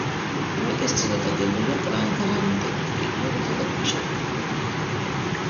უმეტესწილად აგებულია გრანიტებით, კირქვებითა და ქვიშაქვებით.